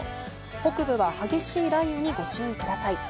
北部は激しい雷雨にご注意ください。